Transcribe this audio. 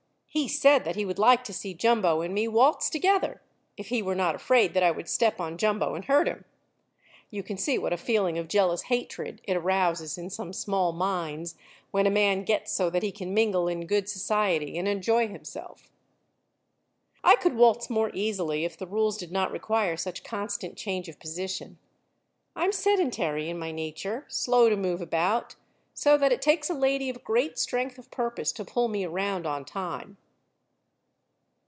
He said that he would like to see Jumbo and me waltz together if he were not afraid that I would step on Jumbo and hurt him. You can see what a feeling of jealous hatred it arouses in some small minds when a man gets so that he can mingle in good society and enjoy himself. [Illustration: WALTZING WITH JUMBO.] I could waltz more easily if the rules did not require such a constant change of position. I am sedentary in my nature, slow to move about, so that it takes a lady of great strength of purpose to pull me around on time.